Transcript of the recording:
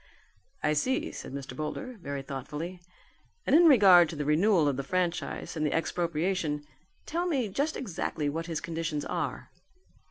"I see," said Mr. Boulder very thoughtfully, "and in regard to the renewal of the franchise and the expropriation, tell me just exactly what his conditions are."